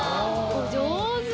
お上手！